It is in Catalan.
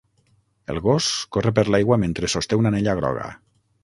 El gos corre per l'aigua mentre sosté una anella groga.